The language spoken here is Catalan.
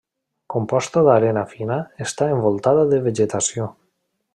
Composta d'arena fina, està envoltada de vegetació.